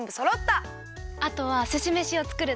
あとはすしめしをつくるだけだね！